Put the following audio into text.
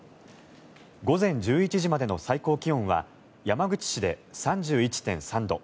午前１１時までの最高気温は山口市で３１．３度